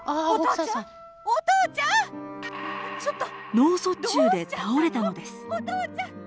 脳卒中で倒れたのです。